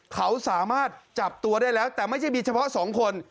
เขาสามารถจับตัวได้แล้วแต่ไม่ใช่มีเฉพาะสองคน